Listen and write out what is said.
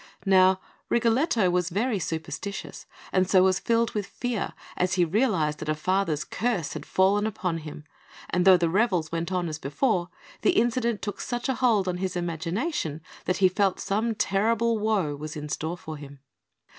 Now, Rigoletto was very superstitious, and so was filled with fear as he realised that a father's curse had fallen upon him, and though the revels went on as before, the incident took such a hold on his imagination that he felt some terrible woe was in store for him.